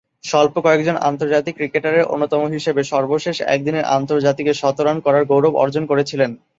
স্বল্প কয়েকজন আন্তর্জাতিক ক্রিকেটারের অন্যতম হিসেবে সর্বশেষ একদিনের আন্তর্জাতিকে শতরান করার গৌরব অর্জন করেছিলেন।